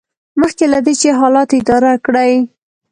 مخکې له دې چې حالات اداره کړئ.